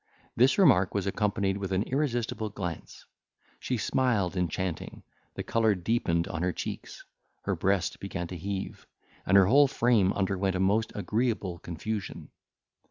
This remark was accompanied with an irresistible glance; she smiled enchanting, the colour deepened on her cheeks, her breast began to heave, and her whole frame underwent a most agreeable confusion.